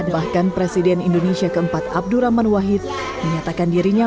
bahkan presiden indonesia keempat abdurrahman wahid menyatakan dirinya